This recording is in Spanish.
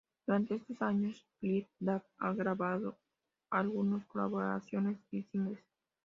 Durante estos años Lil' Dap ha grabado algunas colaboraciones y singles.